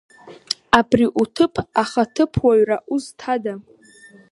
Абри уҭыԥ, ахаҭыԥуаҩра, узҭада?!